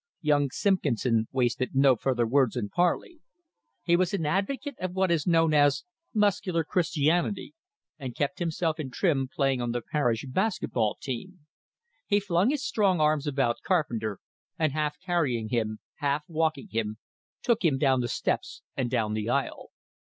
Young Simpkinson wasted no further words in parley. He was an advocate of what is known as "muscular Christianity," and kept himself in trim playing on the parish basket ball team. He flung his strong arms about Carpenter, and half carrying him, half walking him, took him down the steps and down the aisle.